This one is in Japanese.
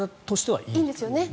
いいんですよね。